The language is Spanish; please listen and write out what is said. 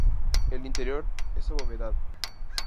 El interior es abovedado.